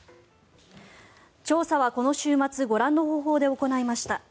調査はこの週末ご覧の方法で行いました。